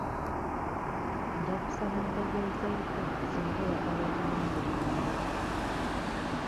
Nja kusaba ontegezeeko singa oyagala obuyambi bwange.